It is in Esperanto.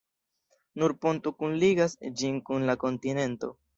Nur ponto kunligas ĝin kun la kontinento.